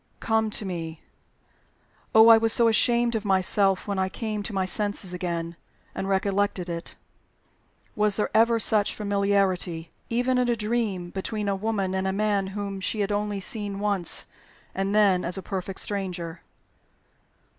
Come to me.' Oh, I was so ashamed of myself when I came to my senses again, and recollected it. Was there ever such familiarity even in a dream between a woman and a man whom she had only once seen, and then as a perfect stranger?"